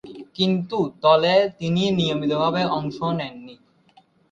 কিন্তু, দলে তিনি নিয়মিতভাবে অংশ নেননি।